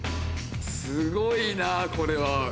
すごいなこれは。